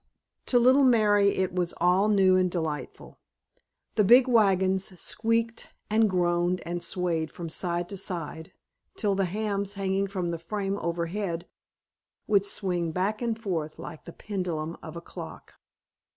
To little Mary it was all new and delightful. The big wagons squeaked and groaned and swayed from side to side till the hams hanging from the frame overhead would swing back and forth like the pendulum of a clock.